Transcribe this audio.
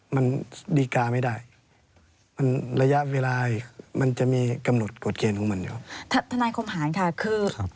มันดีการ์ไม่ได้มันระยะเวลาไอมันจะมีกำหนดกฎเกณฑ์ของมันอยู่